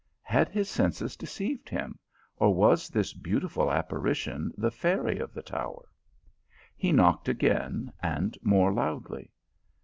Had his senses deceived him, or was this beautiful ap parition the fairy of the tower? He knocked again, and more loudly.